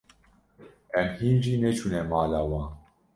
Em hîn jî neçûne mala wan.